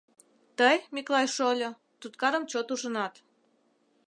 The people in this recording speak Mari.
— Тый, Миклай шольо, туткарым чот ужынат.